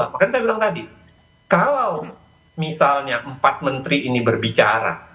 makanya saya bilang tadi kalau misalnya empat menteri ini berbicara